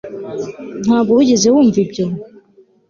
ntabwo wigeze wumva ibyo